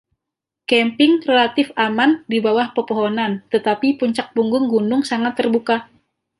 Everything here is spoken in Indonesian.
Kamping relatif aman di bawah pepohonan, tetapi puncak punggung gunung sangat terbuka.